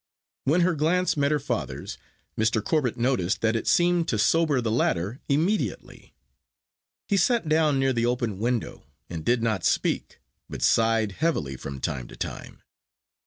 When her glance met her father's, Mr. Corbet noticed that it seemed to sober the latter immediately. He sat down near the open window, and did not speak, but sighed heavily from time to time.